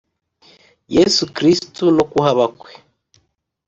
Yesu Kristo no kuhaba kwe